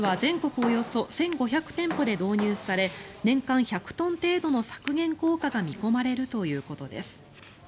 およそ１５００店舗で導入され年間１００トン程度の削減効果が見込まれるということです。